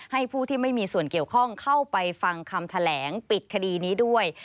ผู้ที่ไม่มีส่วนเกี่ยวข้องเข้าไปฟังคำแถลงปิดคดีนี้ด้วย